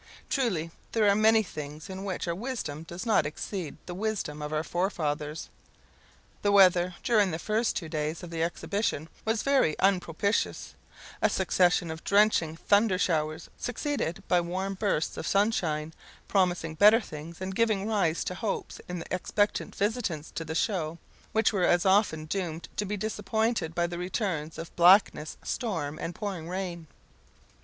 Truly, there are many things in which our wisdom does not exceed the wisdom of our forefathers. The weather during the two first days of the exhibition was very unpropitious; a succession of drenching thunder showers, succeeded by warm bursts of sunshine, promising better things, and giving rise to hopes in the expectant visitants to the show, which were as often doomed to be disappointed by returns of blackness, storm, and pouring rain.